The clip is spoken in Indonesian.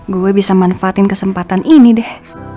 gue bisa manfaatin kesempatan ini deh